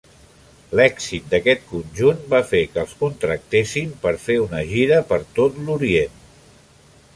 L'èxit d'aquest conjunt va fer que els contractessin per fer una gira per tot l'Orient.